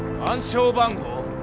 暗証番号？